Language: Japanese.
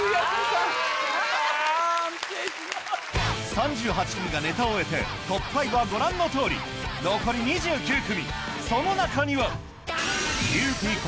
３８組がネタを終えてトップ５はご覧の通り残り２９組！